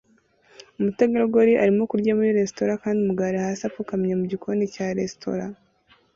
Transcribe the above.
Umutegarugori arimo kurya muri resitora kandi umugabo ari hasi apfukamye mugikoni cya resitora